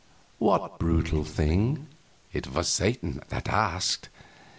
"What brutal thing?" It was Satan that asked.